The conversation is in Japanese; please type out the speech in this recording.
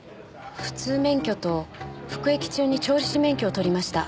普通免許と服役中に調理師免許を取りました。